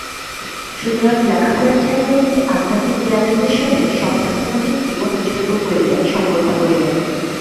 সুতরাং লেখাপড়া ছাড়িয়া তিনি আধ্যাত্মিক জ্ঞানন্বেষণে সম্পূর্ণভাবে জীবন উৎসর্গ করিতে সংকল্প করিলেন।